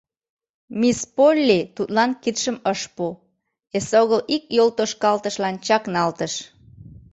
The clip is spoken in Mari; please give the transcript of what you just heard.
Мисс Полли тудлан кидшым ыш пу, эсогыл ик йолтошкалтышлан чакналтыш.